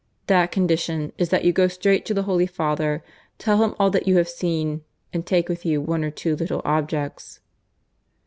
That condition is that you go straight to the Holy Father, tell him all that you have seen, and take with you one or two little objects."